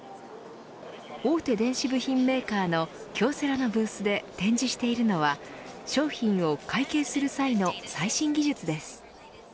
大手電子部品メーカーの京セラのブースで展示しているのは商品を会計する際の最新技術です。